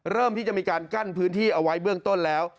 เริ่มที่จะมีการกั้นพื้นที่เอาไว้เบื้องต้นแล้ว